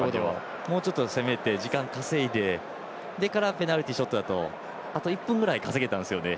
もうちょっと攻めて時間稼いでからペナルティショットだとあと１分間稼げたんですよね。